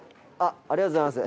ありがとうございます。